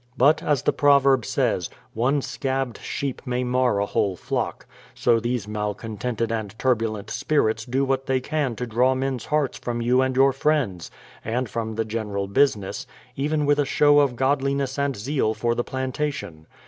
But as the proverb says : One scabbed sheep may mar a whole flock, — so these malcontented and turbulent spirits do what thej^ can to draw men's hearts from you and your friends, and from the general business, — even with a show of godliness and zeal for the planta tion.